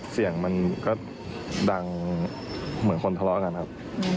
เสียงมันก็ดังเหมือนคนทะเลาะกันครับ